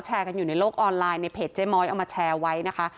กันอยู่ในโลกออนไลน์ในเพจเจ๊ม้อยเอามาแชร์ไว้นะคะ